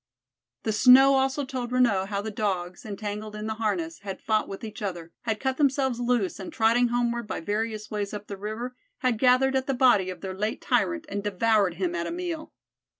The snow also told Renaud how the Dogs, entangled in the harness, had fought with each other, had cut themselves loose, and trotting homeward by various ways up the river, had gathered at the body of their late tyrant and devoured him at a meal.